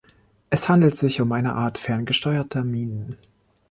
Es handelt sich um eine Art ferngesteuerter Minen.